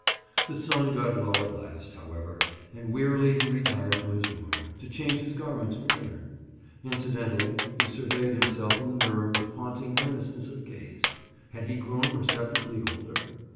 The sun got low at last, however, and wearily he retired to his room, to change his garments for dinner. Incidentally, he surveyed himself in the mirror with haunting earnestness of gaze. Had he grown perceptibly older?